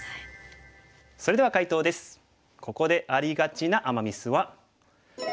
それでは解答です。